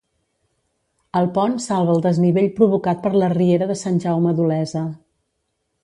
El pont salva el desnivell provocat per la Riera de Sant Jaume d'Olesa.